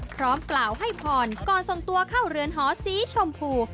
พร้อมกล่าวให้พรก่อนส่งตัวเข้าเรือนหอสีชมพู